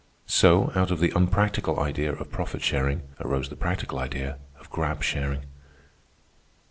So, out of the unpractical idea of profit sharing, arose the practical idea of grab sharing.